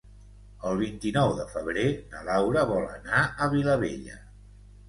El vint-i-nou de febrer na Laura vol anar a Vilabella.